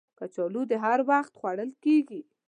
کچالو هر وخت خوړل کېږي